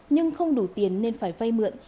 nhưng không đủ tiền nên phải vây mượn